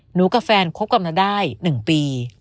กับแฟนคบกันมาได้๑ปี